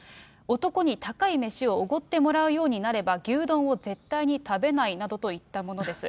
男に高い飯をおごってもらうようになれば、牛丼を絶対に食べないなどといったものです。